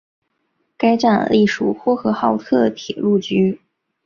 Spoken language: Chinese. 该站隶属呼和浩特铁路局。